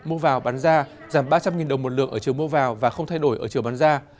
mua vào bán da giảm ba trăm linh đồng một lượng ở trường mua vào và không thay đổi ở trường bán da